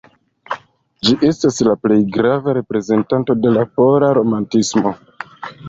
Li estis la plej grava reprezentanto de la pola romantismo.